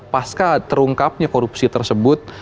pasca terungkapnya korupsi tersebut